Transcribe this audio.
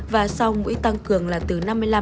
và sau mũi tăng cường là từ năm mươi năm tám mươi